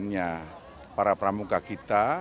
dan memperbaikinya para pramuka kita